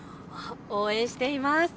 応援しています。